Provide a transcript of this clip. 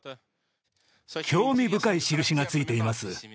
興味深い印がついています。